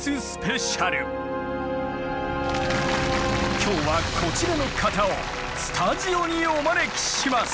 今日はこちらの方をスタジオにお招きします！